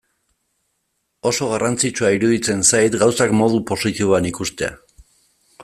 Oso garrantzitsua iruditzen zait gauzak modu positiboan ikustea.